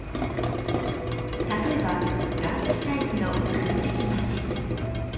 例えばランチタイムの空席待ち。